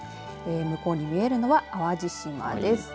向こうに見えるのは淡路島です。